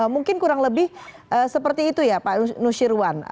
mungkin kurang lebih seperti itu ya pak nusirwan